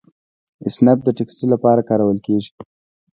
اسنپ د ټکسي لپاره کارول کیږي.